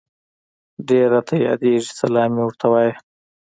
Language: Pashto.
ډير راته ياديږي سلام مي ورته وايه